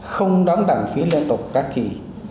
không đóng đẳng phí liên tục các kỷ